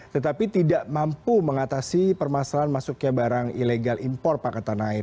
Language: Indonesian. tetapi tidak mampu mengatasi permasalahan masuknya barang ilegal impor pak ketanahir